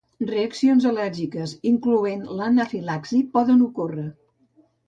Reaccions al·lèrgiques, incloent anafilaxi, poden ocórrer.